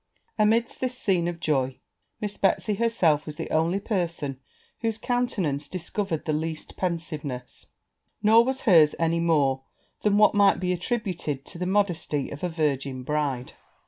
Amidst this scene of joy, Miss Betsy herself was the only person whose countenance discovered the least pensiveness; nor was hers any more than what might be attributed to the modesty of a virgin bride.